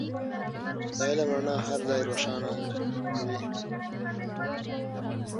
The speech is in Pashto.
د علم رڼا هر ځای روښانه کوي.